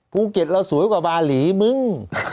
ภูเก็ตเราสวยกว่าบาหลีมึง